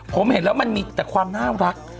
ผมเห็นแล้วมันมีแต่ความน่ารัก